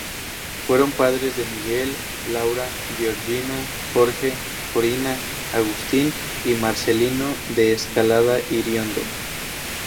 Fueron padres de Miguel, Laura, Georgina, Jorge, Corina, Agustín y Marcelino de Escalada Iriondo.